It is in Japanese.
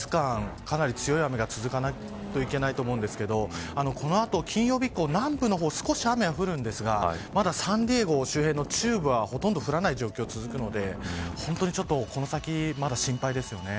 かなり強い雨が続かないといけないと思うんですけどこの後金曜日以降南部の方は少し雨が降るんですがまだサンディエゴ周辺の中部はほとんど降らない状況が続くのでこの先、まだ心配ですよね。